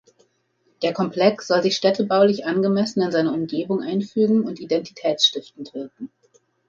Der Komplex soll sich städtebaulich angemessen in seine Umgebung einfügen und identitätsstiftend wirken.